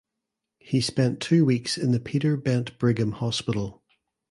He spent two weeks in the Peter Bent Brigham Hospital.